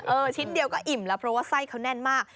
ชิ้นเดียวก็อิ่มแล้วเพราะว่าไส้เขาแน่นมาก